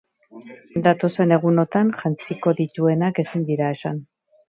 Datozen egunotan jantziko dituenak ezin dira esan.